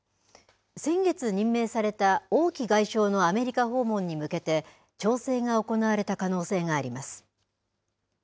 先月任命された王毅外相のアメリカ訪問に向けて、調整が行われた可能性があります。